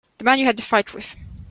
The man you had the fight with.